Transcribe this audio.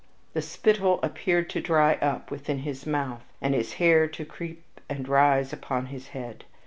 The spittle appeared to dry up within his mouth, and his hair to creep and rise upon his head.